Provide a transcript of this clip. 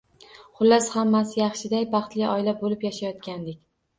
Xullas, hammasi yaxshiday, baxtli oila bo`lib yashayotgandik